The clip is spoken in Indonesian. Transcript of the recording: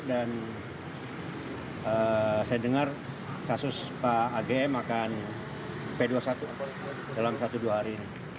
dan saya dengar kasus pak agm akan p dua puluh satu dalam satu dua hari ini